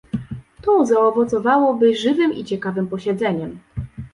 To zaowocowałoby żywym i ciekawym posiedzeniem